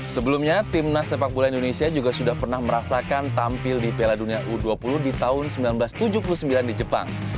sebelumnya tim nas sepak bola indonesia juga sudah pernah merasakan tampil di piala dunia u dua puluh di tahun seribu sembilan ratus tujuh puluh sembilan di jepang